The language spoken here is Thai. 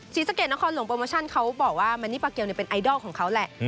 ศรีสะเกดนครหลวงโปรโมชั่นเขาบอกว่าแมนนี่ปาเกลเป็นไอดอลของเขาแหละ